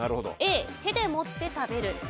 Ａ、手で持って食べる。